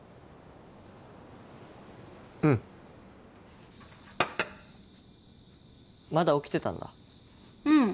うんまだ起きてたんだうん